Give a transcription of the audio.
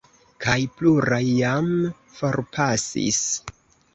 Kaj pluraj jam forpasis.